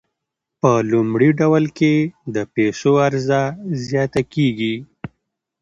په لومړي ډول کې د پیسو عرضه زیاته کیږي.